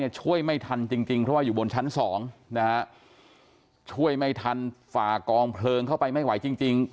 ช่วยไม่ทันฝากองเพลงเข้าไปไม่ไหวจริง